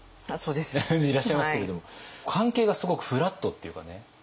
でいらっしゃいますけども関係がすごくフラットっていうかね。